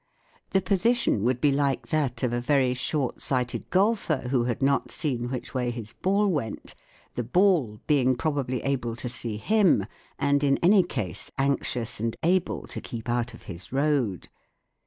The position would be like that of a very short sighted golfer who had not seen which way his ball went, the ball being probably able to see him, and in any case anxious and able to keep out of his road.